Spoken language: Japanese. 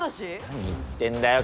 何言ってんだよ